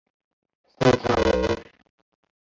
山噪鹛。